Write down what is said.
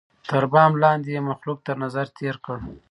تر بام لاندي یې مخلوق تر نظر تېر کړ